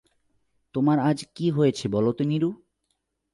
তোমার আজ কী হয়েছে বলো তো নীরু।